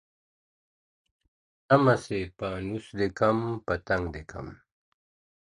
شمع سې پانوس دي کم پتنګ دي کم.